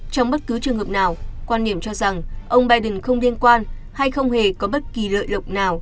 trong bất cứ trường hợp nào quan niệm cho rằng ông biden không liên quan hay không hề có bất kỳ lợi lộc nào